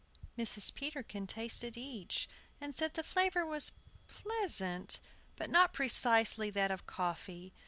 Mrs. Peterkin tasted each, and said the flavor was pleasant, but not precisely that of coffee.